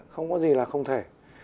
không có gì là không thể